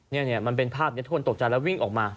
นี่มันเป็นภาพนี้ทุกคนตกใจแล้ววิ่งออกมา